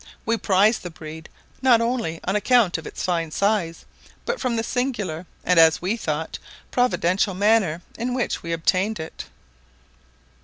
We prize the breed, not only on account of its fine size, but from the singular, and, as we thought, providential, manner in which we obtained it."